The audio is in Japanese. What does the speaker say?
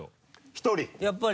１人？